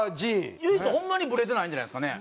唯一ホンマにブレてないんじゃないですかね？